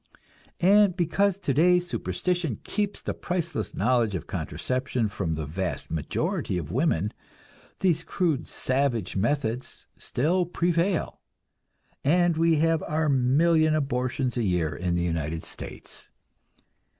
And because today superstition keeps the priceless knowledge of contraception from the vast majority of women, these crude, savage methods still prevail, and we have our million abortions a year in the United States.